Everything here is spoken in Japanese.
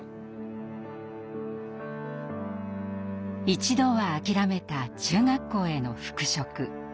一度は諦めた中学校への復職。